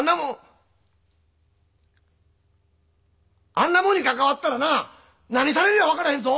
あんなもんにかかわったらな何されるや分からへんぞ！